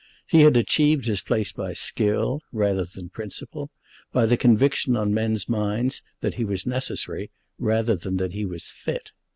He had achieved his place by skill, rather than principle, by the conviction on men's minds that he was necessary rather than that he was fit.